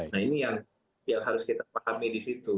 nah ini yang harus kita pahami di situ